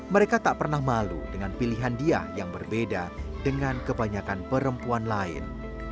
mereka tak pernah malu dengan pilihan dia yang berbeda dengan kebanyakan perempuan lain